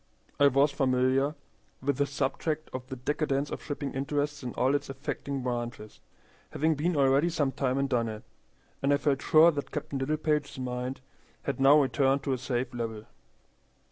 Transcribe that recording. I was familiar with the subject of the decadence of shipping interests in all its affecting branches, having been already some time in Dunnet, and I felt sure that Captain Littlepage's mind had now returned to a safe level.